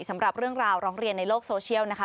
สำหรับเรื่องราวร้องเรียนในโลกโซเชียลนะคะ